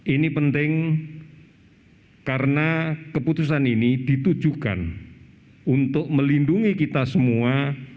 ini penting karena keputusan ini ditujukan untuk melindungi kita semua